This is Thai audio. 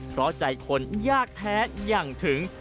เพราะใจคนยากแท้อย่างถึง